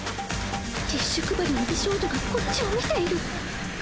ティッシュ配りの美少女がこっちを見ている！